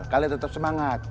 kalian tetep semangat